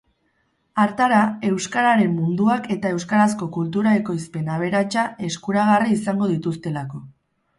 Hartara, euskararen munduak eta euskarazko kultura-ekoizpen aberatsa eskuragarri izango dituztelako.